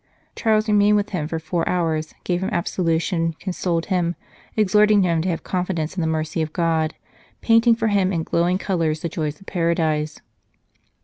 Charles remained with him for four hours, gave him absolution, consoled him, exhorting him to have confidence in the mercy of God, painting for him in glowing colours the joys of Paradise.